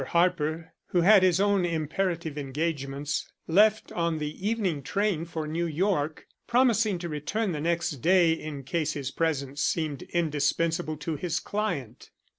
Harper, who had his own imperative engagements, left on the evening train for New York, promising to return the next day in case his presence seemed indispensable to his client.